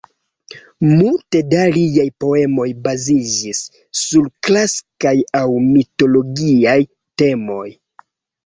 Multe da liaj poemoj baziĝis sur klasikaj aŭ mitologiaj temoj.